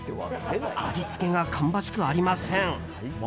味付けが芳しくありません。